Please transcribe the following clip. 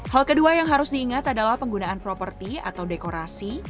hal kedua yang harus diingat adalah penggunaan properti atau dekorasi